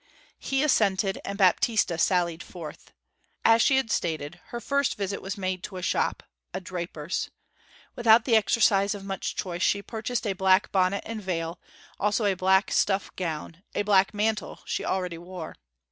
He assented; and Baptista sallied forth. As she had stated, her first visit was made to a shop, a draper's. Without the exercise of much choice she purchased a black bonnet and veil, also a black stuff gown; a black mantle she already wore.